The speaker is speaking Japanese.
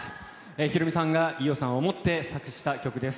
ヒロミさんが伊代さんを思って作詞した曲です。